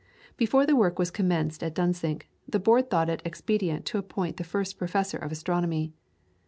Before the work was commenced at Dunsink, the Board thought it expedient to appoint the first Professor of Astronomy.